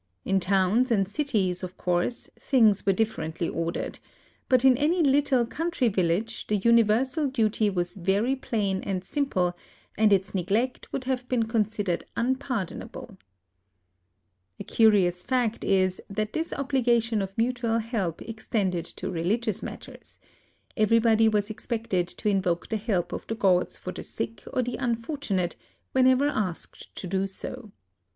In towns and cities, of course, things were differently ordered; but in any little country village the universal duty was very plain and simple, and its neglect would have been considered unpardonable. A curious fact is that this obligation of mutual help extended to religious matters : everybody was expected to invoke the help of the gods for the sick or the unfortunate, when ever asked to do so.